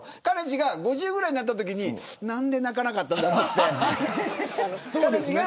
ちが５０歳ぐらいになったときに何で泣かなかったんだろうってかね